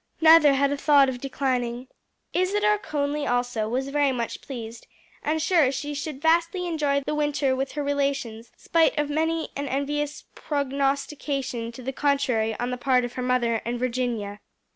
Neither had a thought of declining. Isadore Conly, also, was very much pleased, and sure she should vastly enjoy the winter with her relations, spite of many an envious prognostication to the contrary on the part of her mother and Virginia.